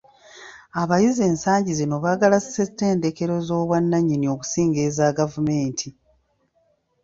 Abayizi ensangi zino baagala ssettendekero z'obwannannyini okusinga eza gavumenti.